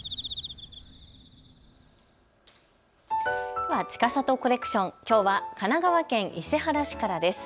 ではちかさとコレクション、きょうは神奈川県伊勢原市からです。